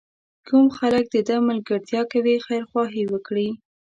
کوم خلک د ده ملګرتیا کوي خیرخواهي وکړي.